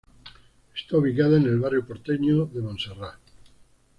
Está ubicada en el barrio porteño de Montserrat.